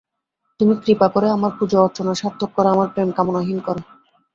তুমি কৃপা করে আমার পূজা-অর্চনা সার্থক কর, আমার প্রেম কামনাহীন কর।